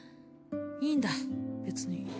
いいんだ別に